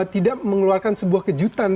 tidak mengeluarkan sebuah kejutan